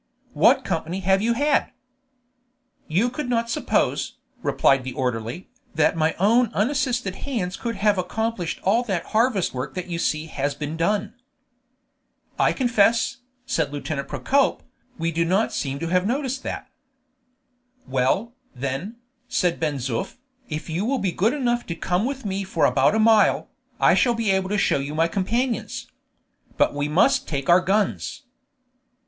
"What company have you had?" "You could not suppose," replied the orderly, "that my own unassisted hands could have accomplished all that harvest work that you see has been done." "I confess," said Lieutenant Procope, "we do not seem to have noticed that." "Well, then," said Ben Zoof, "if you will be good enough to come with me for about a mile, I shall be able to show you my companions. But we must take our guns."